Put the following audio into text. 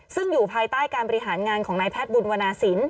ซึ่งอยู่ภายใต้การบริหารงานของนายแพทย์บุญวนาศิลป